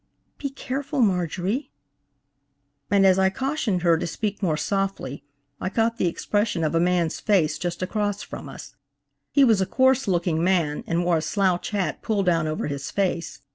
"Be careful, Marjorie!" and as I cautioned her to speak more softly, I caught the expression of a man's face just across from us. He was a coarse looking man and wore a slouch hat pulled down over his face.